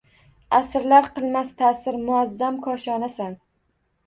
Аsrlar qilmas taʼsir muazzam koshonasan.